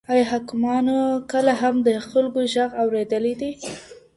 ایا حاکمانو کله هم د خلکو ږغ اوريدلی دی؟